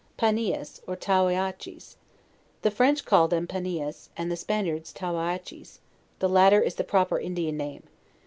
PANIAS, OR TOWIACHES. The French call them Paniae, and the Spaniards Towiaches; the latter is the proper Indi an name.